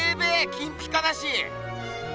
金ピカだし。